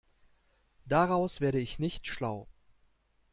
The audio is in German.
Daraus werde ich nicht schlau.